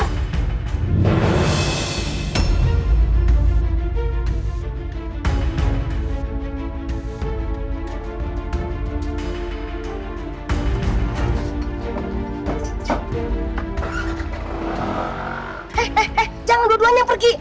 eh eh eh jangan dua duanya pergi